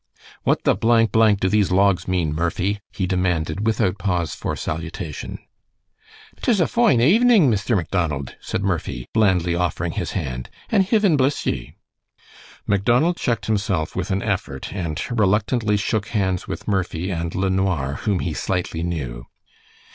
"What the blank, blank, do these logs mean, Murphy?" he demanded, without pause for salutation. "Tis a foine avenin' Misther Macdonald," said Murphy, blandly offering his hand, "an' Hiven bliss ye." Macdonald checked himself with an effort and reluctantly shook hands with Murphy and LeNoir, whom he slightly knew.